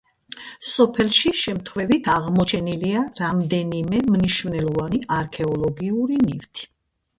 სოფელში შემთხვევით აღმოჩენილია რამდენიმე მნიშვნელოვანი არქეოლოგიური ნივთი.